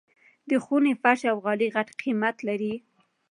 د خوني فرش او غالۍ غټ قيمت لري.